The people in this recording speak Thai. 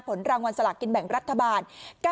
ผลรางวัลสลากกินแบ่งรัฐบาล